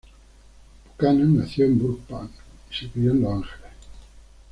Buchanan nació en Burbank y se crió en Los Ángeles.